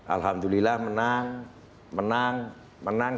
alhamdulillah menang menang menang